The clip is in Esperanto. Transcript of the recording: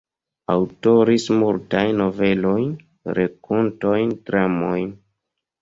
Aŭtoris multajn novelojn, rakontojn, dramojn.